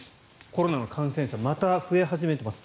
コロナの感染者また増え始めています。